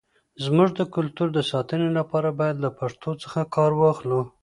زموږ د کلتور د ساتنې لپاره، باید له پښتو څخه کار واخلو.